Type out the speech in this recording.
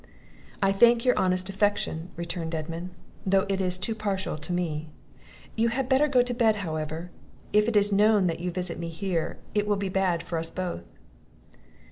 "I thank your honest affection," returned Edmund, "though it is too partial to me. You had better go to bed, however; if it is known that you visit me here, it will be bad for us both."